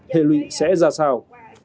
hệ lụy sẽ ra sao